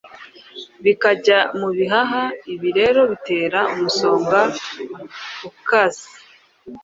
bikajya mu bihaha. Ibi rero bitera umusonga ukase